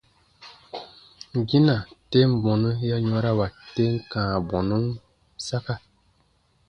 Gina, tem bɔnu ya yɔ̃rawa tem kãa bɔnun saka.